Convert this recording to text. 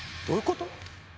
どういうこと？